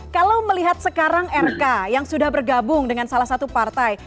kalau melihat sekarang rk yang sudah bergabung dengan salah satu partai